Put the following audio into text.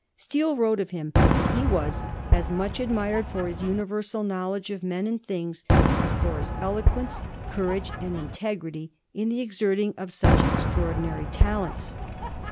Steele wrote of him that he was * as much ad mired for his universal knowledge of men and things as for his eloquence, courage, and integrity in the exerting of such extraordinary talents.'